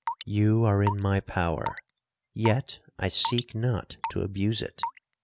You are in my power, yet I seek not to abuse it.